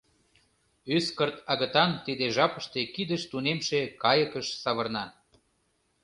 Ӱскырт агытан тиде жапыште кидыш тунемше кайыкыш савырна.